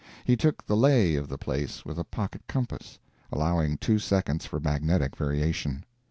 He took the "lay" of the place with a pocket compass, allowing two seconds for magnetic variation.